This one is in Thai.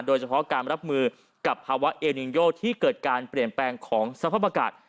โดยเฉพาะการรับมือกับภาวะเอนินโยที่เกิดการเปลี่ยนแปลงของสภาพอากาศ